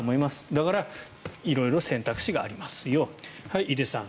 だから色々選択肢がありますよ井手さん。